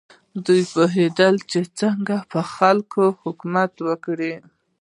دوی پوهېدل چې څنګه پر خلکو حکومت وکړي.